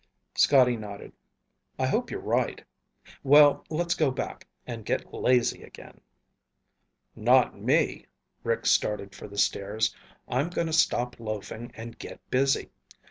Scotty nodded. "I hope you're right. Well, let's go back and get lazy again." "Not me." Rick started for the stairs. "I'm going to stop loafing and get busy.